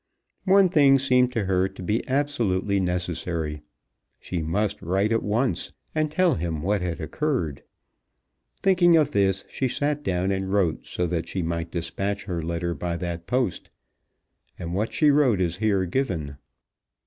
One thing seemed to her to be absolutely necessary. She must write at once and tell him what had occurred. Thinking of this she sat down and wrote so that she might despatch her letter by that post; and what she wrote is here given.